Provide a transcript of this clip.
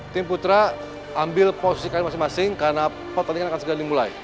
tim putra ambil posisi kalian masing masing karena pot nanti kan akan segera dimulai